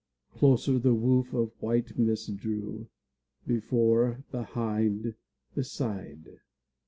Closer the woof of white mist drew, Before, behind, beside.